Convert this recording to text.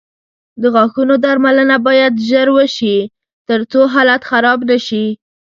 د غاښونو درملنه باید ژر وشي، ترڅو حالت خراب نه شي.